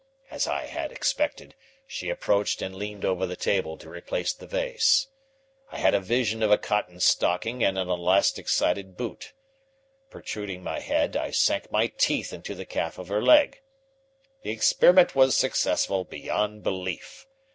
As I had expected, she approached and leaned over the table to replace the vase. I had a vision of a cotton stocking and an elastic sided boot. Protruding my head, I sank my teeth into the calf of her leg. The experiment was successful beyond belief.